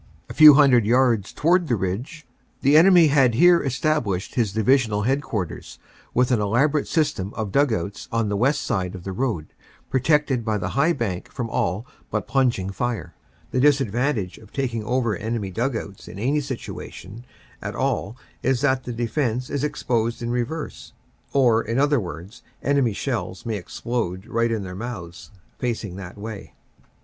A few hundred yards toward the ridge the enemy had here established his divisional headquarters, with an elaborate system of dug outs on the west side of the road, protected by the high bank from all but plunging fire. The disadvantage of taking over enemy dug outs in any 176 NO MAN S LAND 177 situation at all is that the defense is exposed in reverse, or, in other words, enemy shells may explode right in their mouths, facing that way.